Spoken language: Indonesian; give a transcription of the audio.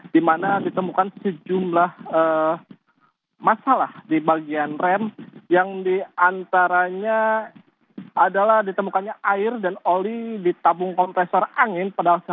di mana ditemukan sejumlah masalah di bagian rem yang diantaranya adalah ditemukannya air dan oli di tabung kompresor angin